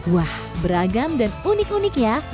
wah beragam dan unik unik ya